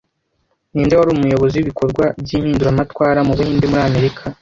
Ninde wari umuyobozi wibikorwa byimpinduramatwara mubuhinde muri Amerika